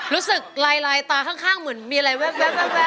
รู้สึกลายตาข้างเหมือนมีอะไรแว๊บ